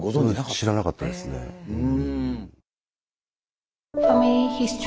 知らなかったですねぇ。